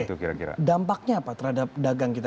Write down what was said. oke dampaknya apa terhadap dagang kita